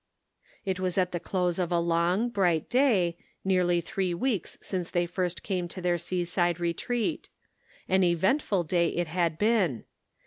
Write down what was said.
It was at the close of a long, bright day, nearly three weeks since they first came to their seaside retreat. An eventful day it had been.